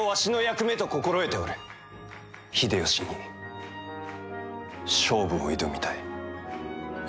秀吉に勝負を挑みたい。